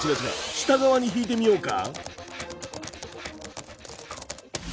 下側に引いてみようか。